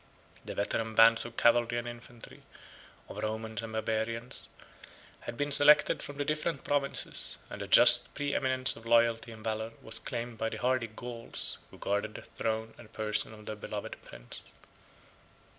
The veteran bands of cavalry and infantry, of Romans and Barbarians, had been selected from the different provinces; and a just preëminence of loyalty and valor was claimed by the hardy Gauls, who guarded the throne and person of their beloved prince.